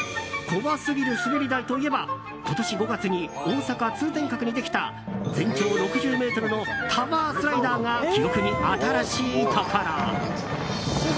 怖すぎる滑り台といえば今年５月に大阪・通天閣にできた全長６０ｍのタワースライダーが記憶に新しいところ。